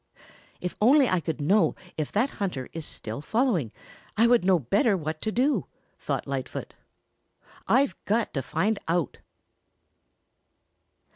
"If only I could know if that hunter is still following, I would know better what to do," thought Lightfoot. "I've got to find out."